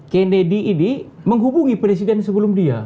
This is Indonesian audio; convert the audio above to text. kennedy ini menghubungi presiden sebelum dia